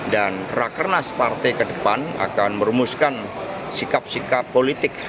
dan rakernas partai ke depan akan merumuskan sikap sikap politik